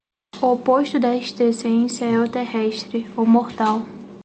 O oposto desta essência é o terrestre, o mortal.